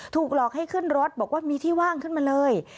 หลอกให้ขึ้นรถบอกว่ามีที่ว่างขึ้นมาเลย